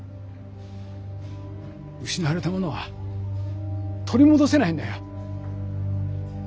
失われたものは取り戻せないんだよ。